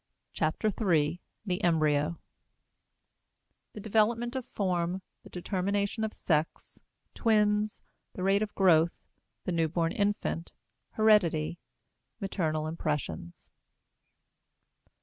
CHAPTER III THE EMBRYO The Development of Form The Determination of Sex Twins The Rate of Growth The Newborn Infant Heredity Maternal Impressions.